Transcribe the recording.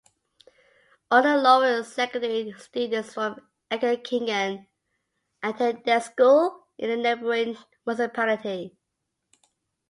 All the lower secondary students from Egerkingen attend their school in a neighboring municipality.